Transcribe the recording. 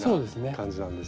感じなんですね。